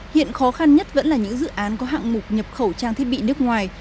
hiện khó khăn nhất vẫn là những dự án có hạng mục nhập khẩu trang thiết bị nước ngoài